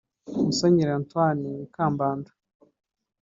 Musenyeri Antoine Kambanda